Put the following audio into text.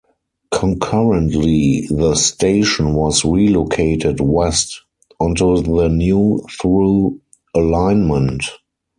Concurrently, the station was relocated west, onto the new through alignment.